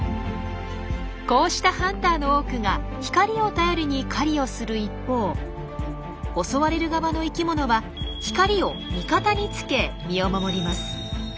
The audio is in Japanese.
こうしたハンターの多くが光を頼りに狩りをする一方襲われる側の生きものは光を味方につけ身を守ります。